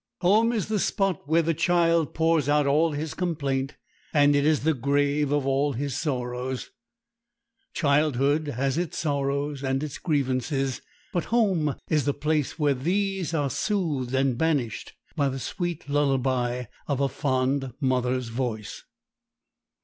Home is the spot where the child pours out all his complaint, and it is the grave of all his sorrows. Childhood has its sorrows and its grievances; but home is the place where these are soothed and banished by the sweet lullaby of a fond mother's voice.